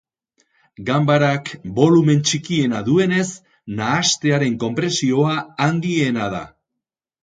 Ganbarak bolumen txikiena duenez, nahastearen konpresioa handiena da.